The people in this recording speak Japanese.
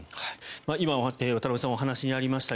今、渡部さんのお話にありました